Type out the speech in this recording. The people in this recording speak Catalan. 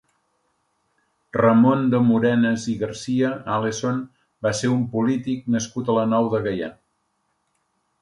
Ramon de Morenes i Garcia Alesson va ser un polític nascut a la Nou de Gaià.